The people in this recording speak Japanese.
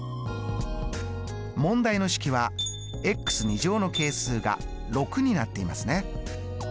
問題の式はの係数が６になっていますね。